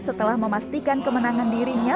setelah memastikan kemenangan dirinya